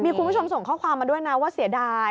มีคุณผู้ชมส่งข้อความมาด้วยนะว่าเสียดาย